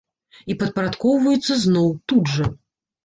І падпарадкоўваюцца зноў, тут жа.